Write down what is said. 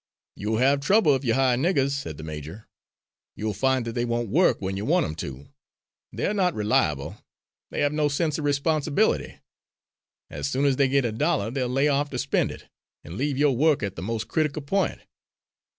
"You'll have trouble if you hire niggers," said the major. "You'll find that they won't work when you want 'em to. They're not reliable, they have no sense of responsibility. As soon as they get a dollar they'll lay off to spend it, and leave yo' work at the mos' critical point."